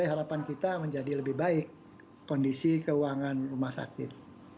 harapan kita menjadi lebih baik kondisi keuangan rumah sakit